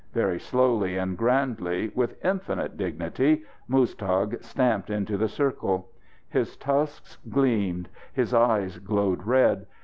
Very slowly and grandly, with infinite dignity, Muztagh stamped into the circle. His tusks gleamed. His eyes glowed red.